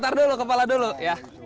ntar dulu kepala dulu ya